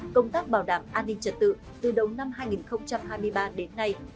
công tác bảo đảm an ninh trật tự từ đầu năm hai nghìn hai mươi ba đến nay